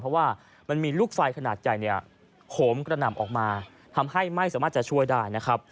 เพราะว่ามีลูกไฟขนาดใหญ่โขมกระหนำออกมาทำให้ไม่สามารถช่วยได้